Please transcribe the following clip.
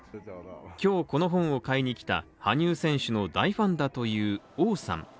今日この本を買いに来た羽生選手の大ファンだという王さん。